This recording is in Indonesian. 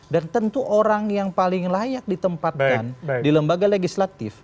dan tentu orang yang paling layak ditempatkan di lembaga legislatif